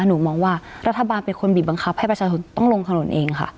หนูมองว่ารัฐบาลเป็นคนบีบบังคับให้ประชาชนต้องลงถนนเองค่ะ